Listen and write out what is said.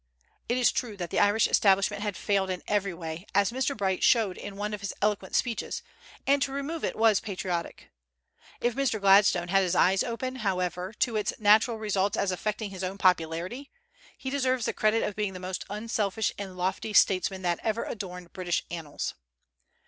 It is true that the Irish Establishment had failed in every way, as Mr. Bright showed in one of his eloquent speeches, and to remove it was patriotic. If Mr. Gladstone had his eyes open, however, to its natural results as affecting his own popularity, he deserves the credit of being the most unselfish and lofty statesman that ever adorned British annals.